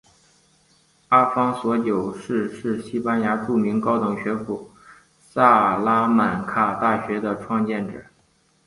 阿方索九世是西班牙著名高等学府萨拉曼卡大学的创建者。